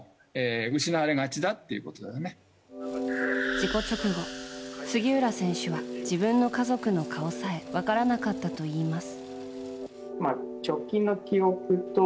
事故直後、杉浦選手は自分の家族の顔さえ分からなかったといいます。